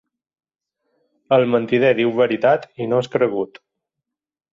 El mentider diu veritat i no és cregut.